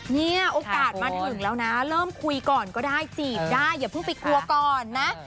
เนี่ยโอกาสมาถึงแล้วนะเริ่มคุยก่อนก็ได้จีบได้อย่าเพิ่งไปกลัวก่อนนะ